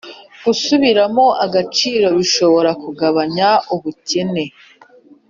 Gusubiramo agaciro bishobora kugabanya ubukene